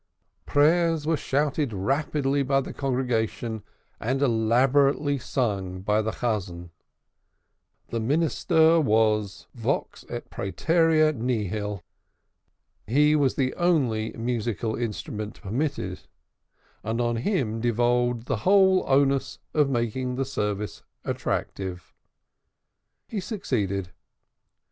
Prayers were shouted rapidly by the congregation, and elaborately sung by the Chazan. The minister was Vox et praeterea nihil. He was the only musical instrument permitted, and on him devolved the whole onus of making the service attractive. He succeeded.